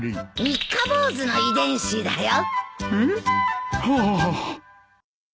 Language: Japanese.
三日坊主の遺伝子だよ。